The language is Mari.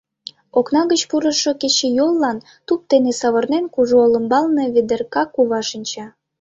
Окна гыч пурышо кечыйоллан туп дене савырнен, кужу олымбалне Ведерка кува шинча.